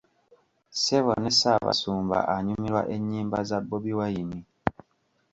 Ssebo ne Ssaabasumba anyumirwa ennyimba za Bobi Wine!